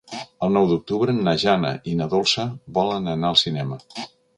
El nou d'octubre na Jana i na Dolça volen anar al cinema.